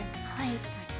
確かに。